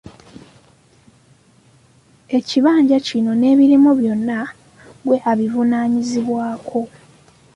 Ekibanja kino n'ebirimu byonna ggwe obivunaanyizibwako.